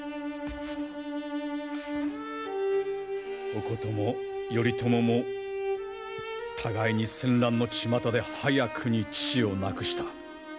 おことも頼朝も互いに戦乱のちまたで早くに父を亡くした。